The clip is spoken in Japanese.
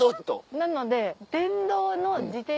なので。